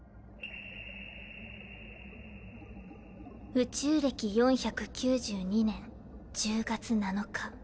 宇宙暦４９２年１０月７日。